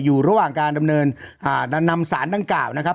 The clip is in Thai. อยู่ระหว่างการดำเนินอ่านำสารดังกล่าวนะครับ